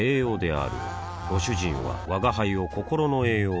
あぁご主人は吾輩を心の栄養という